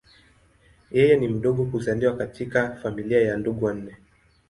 Yeye ni mdogo kuzaliwa katika familia ya ndugu wanne.